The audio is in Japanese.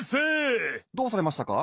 どうされましたか？